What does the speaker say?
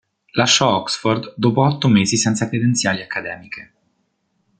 Lasciò Oxford dopo otto mesi senza credenziali accademiche.